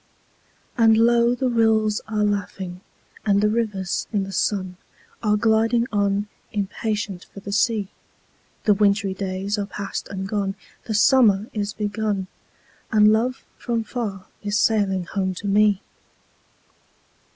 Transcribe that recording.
And low the rills are laughing, and the rivers in the sun Are gliding on, impatient for the sea; The wintry days are past and gone, the summer is begun, And love from far is sailing home to me!